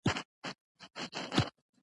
د دوي ټوله شاعري د شانګلې پۀ مقامي